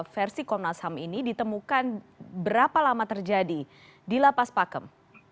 versi komnas ham ini ditemukan berapa lama terjadi di lapas pakem